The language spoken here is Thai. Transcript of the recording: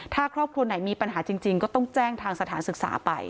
ถ้าครอบครัวไหนมีปัญหาจริงก็ต้องแจ้งทางสถานศึกษาไป